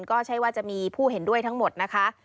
ก็ใช่ว่าจะมีผู้เห็นด้วยทั้งหมดนะคะ